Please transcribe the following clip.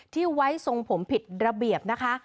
ที่ไว้ทรงผมผิดระเบียบนะคะ